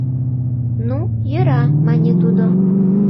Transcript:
— Ну, йӧра, — мане тудо.